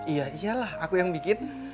iya iyalah aku yang bikin